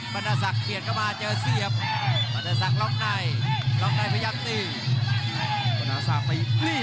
ปัญญาศักดิ์กีภาพนี้มันตัวเดียวที่ชัดเจน